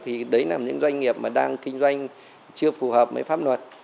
thì đấy là những doanh nghiệp mà đang kinh doanh chưa phù hợp với pháp luật